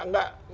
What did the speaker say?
kan pro bki